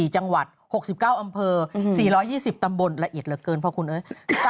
๔จังหวัด๖๙อำเภอ๔๒๐ตำบลละเอียดเหลือเกินเพราะคุณเอ้ย